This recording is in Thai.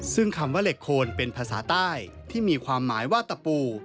ซึ่งคำว่าเหล็กโคนเป็นภาษาใต้ที่มีความหมายว่าตะปู